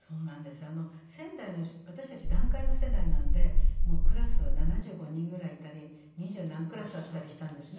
仙台の私たち団塊の世代なんでクラスは７５人ぐらいいたり二十何クラスあったりしたんですね。